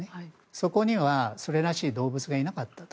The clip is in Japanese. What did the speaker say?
そこにはそれらしい動物がいなかったと。